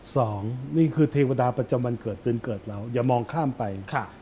สองนี่คือเทวดาประจำวันเกิดเป็นเกิดเราอย่ามองข้ามไป